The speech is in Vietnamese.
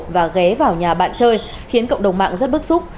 và ghé vào nhà bạn chơi khiến cộng đồng mạng rất bức xúc